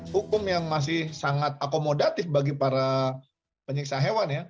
hukum yang masih sangat akomodatif bagi para penyiksa hewan ya